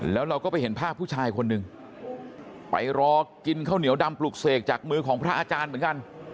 แล้วเราก็ไปเห็นภาพผู้ชายคนหนึ่งไปรอกินข้าวเหนียวดำปลุกเสกจากมือของพระอาจารย์เหมือนกัน